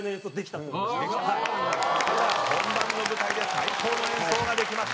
本番の舞台で最高の演奏ができました。